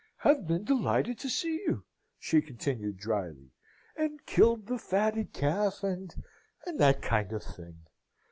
"Have been delighted to see you" she continued drily, "and killed the fatted calf, and and that kind of thing.